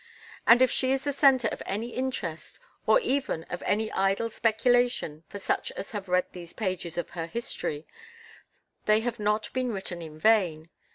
And if she is the centre of any interest, or even of any idle speculation for such as have read these pages of her history, they have not been written in vain.